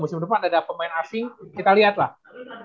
musim depan ada pemain asing kita liat lah